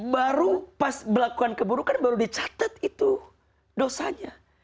baru pas melakukan keburukan baru dicatat itu dosanya